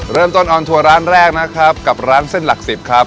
ออนทัวร์ร้านแรกนะครับกับร้านเส้นหลักสิบครับ